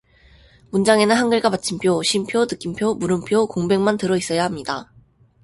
문장에는 한글과 마침표, 쉼표, 느낌표, 물음표, 공백만 들어있어야 합니다.